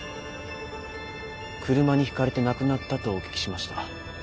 車にひかれて亡くなったとお聞きしました。